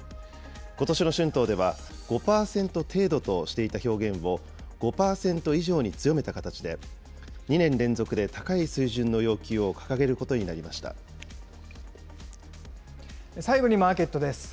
ことしの春闘では５％程度としていた表現を、５％以上に強めた形で、２年連続で高い水準の要求を掲げることに最後にマーケットです。